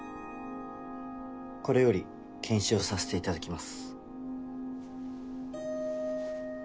これより検視をさせていただきます。